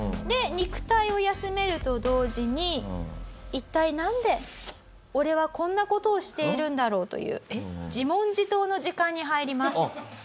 で肉体を休めると同時に「一体なんで俺はこんな事をしているんだろう？」という自問自答の時間に入ります。